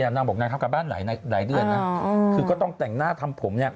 นางบอกนางทำการบ้านหลายเดือนนะคือก็ต้องแต่งหน้าทำผมเนี่ย